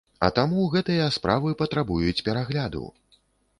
А таму гэтыя справы патрабуюць перагляду.